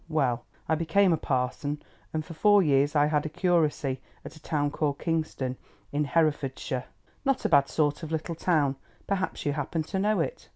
Well, I became a parson, and for four years I had a curacy at a town called Kingston, in Herefordshire, not a bad sort of little town—perhaps you happen to know it.